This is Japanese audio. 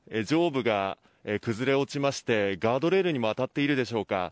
上部が崩れ落ちましてガードレールにも当たっているでしょうか。